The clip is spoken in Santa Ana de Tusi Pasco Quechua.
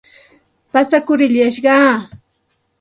Pasakurillashqaa.